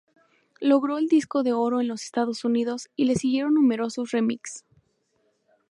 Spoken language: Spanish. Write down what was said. Logró el disco de oro en los Estados Unidos y le siguieron numerosos remixes.